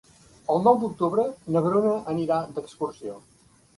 El nou d'octubre na Bruna anirà d'excursió.